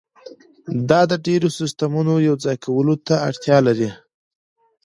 دا د ډیرو سیستمونو یوځای کولو ته اړتیا لري